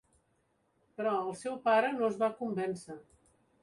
Però el seu pare no es va convèncer